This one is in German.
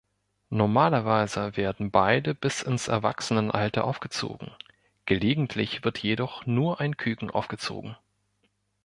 Normalerweise werden beide bis ins Erwachsenenalter aufgezogen, gelegentlich wird jedoch nur ein Küken aufgezogen.